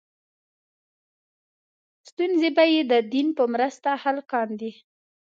ستونزې به یې د دین په مرسته حل کاندې.